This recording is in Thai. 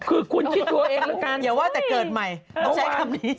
คือคุณคิดตัวเองแล้วกันอย่าว่าแต่เกิดใหม่ต้องใช้คำนี้